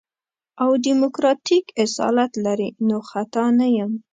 او ديموکراتيک اصالت لري نو خطا نه يم.